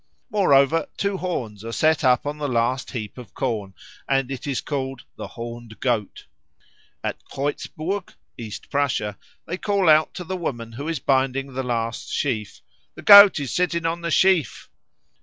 Moreover, two horns are set up on the last heap of corn, and it is called "the horned Goat." At Kreutzburg, East Prussia, they call out to the woman who is binding the last sheaf, "The Goat is sitting in the sheaf."